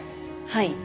はい。